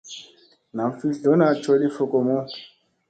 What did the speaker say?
Nam fi dlona coli fokomu.